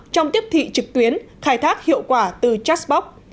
trong tiếp thị trực tuyến khai thác hiệu quả từ chatbox